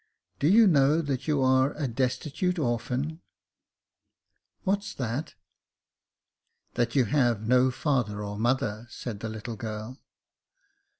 *' Do you know that you are a destitute orphan ?*' "What's that?" " That you have no father or mother," said the little girl.